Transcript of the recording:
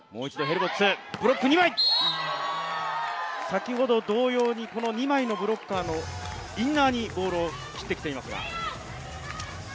先ほど同様に、この二枚のブロッカーのインナーにボールを切ってきていますが。